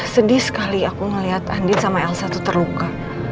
sedih sekali aku ngeliat andi sama elsa tuh terluka